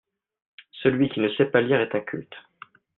Celui qui ne sait pas lire est inculte.